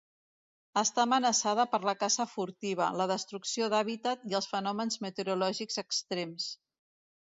Està amenaçada per la caça furtiva, la destrucció d'hàbitat i els fenòmens meteorològics extrems.